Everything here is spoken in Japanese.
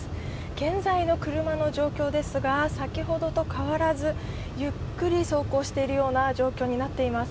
現在の車の状況ですが、先ほどと変わらずゆっくり走行しているような状況になっています。